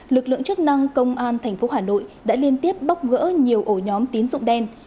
lực lượng chức năng công an tp hà nội đã liên tiếp bóc gỡ nhiều ổ nhóm tín dụng đen